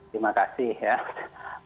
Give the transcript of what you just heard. terima kasih ya